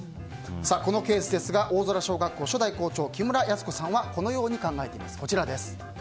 このケースですが大空小学校の初代校長木村泰子さんはこのように考えています。